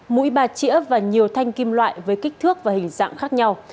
mũi bà chĩa và nhiều thanh kim loại với kích thước và hình dạng khác nhau